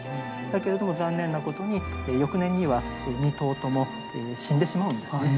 だけれども残念なことに翌年には２頭とも死んでしまうんですね。